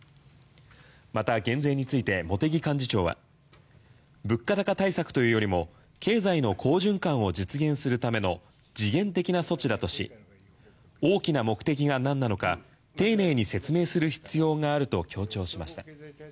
また、減税について茂木幹事長は物価高対策というよりも経済の好循環を実現するための時限的な措置だとし大きな目的が何なのか丁寧に説明する必要があると強調しました。